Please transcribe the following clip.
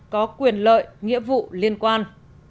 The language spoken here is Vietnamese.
có quyền lợi nghĩa vụ liên quan